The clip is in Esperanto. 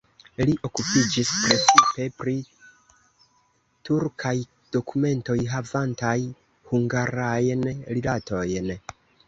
Li okupiĝis precipe pri turkaj dokumentoj havantaj hungarajn rilatojn.